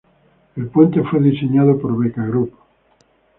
El puente fue diseñado por Beca Group.